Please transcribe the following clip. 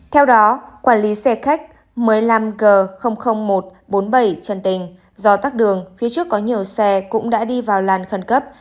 theo đó quản lý xe khách một mươi năm g một trăm bốn mươi bảy trần tình do tắc đường phía trước có nhiều xe cũng đã đi vào làn khẩn cấp